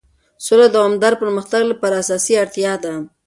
سوله د دوامدار پرمختګ لپاره اساسي اړتیا ده.